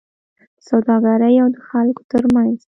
د سوداګرۍاو د خلکو ترمنځ